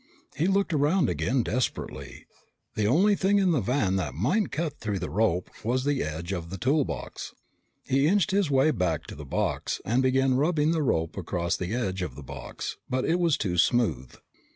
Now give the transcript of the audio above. He looked around again desperately. The only thing in the van that might cut through the rope was the edge of the toolbox. He inched his way back to the box and began rubbing the rope across the edge of the box, but it was too smooth.